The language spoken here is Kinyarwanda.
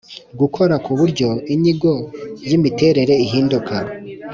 Gukora ku buryo inyigo y imiterere ihinduka.